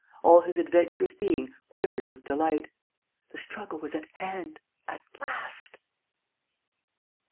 All his adventurous being quivered with delight. The struggle was at hand, at last!